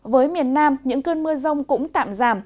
với miền nam những cơn mưa rông cũng tạm giảm